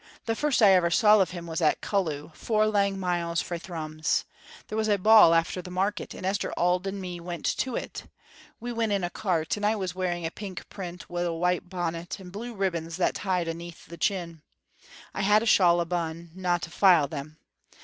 The first I ever saw of him was at Cullew, four lang miles frae Thrums. There was a ball after the market, and Esther Auld and me went to it. We went in a cart, and I was wearing a pink print, wi' a white bonnet, and blue ribbons that tied aneath the chin. I had a shawl abune, no' to file them.